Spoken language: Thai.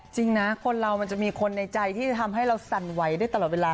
จริงนะคนเรามันจะมีคนในใจที่จะทำให้เราสั่นไหวได้ตลอดเวลา